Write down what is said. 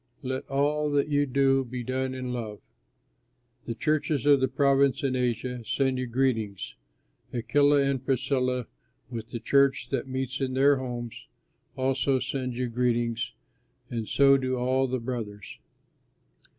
Let all that you do be done in love. The churches of the province in Asia send you greetings. Aquila and Prisca, with the church that meets in their home, also send you greetings, and so do all the brothers.